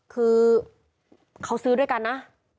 คือเขาซื้อด้วยกันนะ